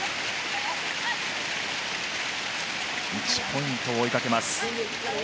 １ポイントを追いかけます。